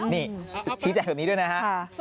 นี่ชี้แจงแบบนี้ด้วยนะฮะ